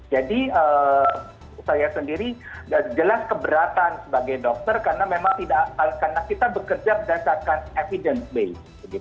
jadi saya sendiri jelas keberatan sebagai dokter karena kita bekerja berdasarkan evidence base